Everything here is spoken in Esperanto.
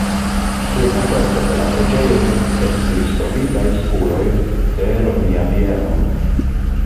Sur la korto de la preĝejo estis trovitaj spuroj de romia bieno.